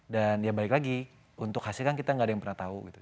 dan ya balik lagi untuk hasilnya kita kan gak ada yang pernah tahu gitu